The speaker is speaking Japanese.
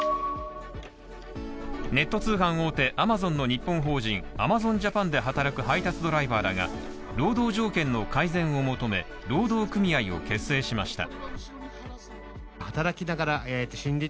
ネット通販大手、アマゾンの日本法人、アマゾンジャパンで働く配達ドライバーらが、労働条件の改善を求め労働組合を結成しました。